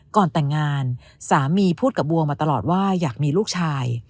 ก่อนแต่งงานสามีพูดกับบัวมาตลอดว่าอยากมีลูกชาย